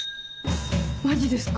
マジですか。